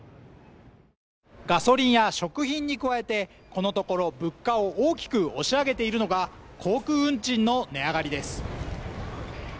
ガソリンや食品に加えてこのところ物価を大きく押し上げているのが航空運賃の値上がりです